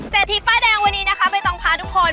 เศรษฐีป้ายแดงวันนี้นะคะไปต้องพาทุกคน